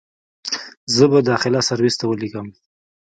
زه به داخله سرويس ته وليکم.